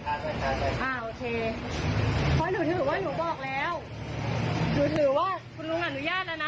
อ่าโอเคเพราะหนูถือว่าหนูบอกแล้วหนูถือว่าคุณลุงอนุญาตแล้วนะ